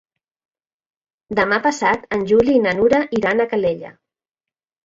Demà passat en Juli i na Nura iran a Calella.